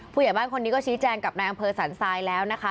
ผู้ใหญ่บ้านคนนี้ก็ชี้แจงกับนายอำเภอสันทรายแล้วนะคะ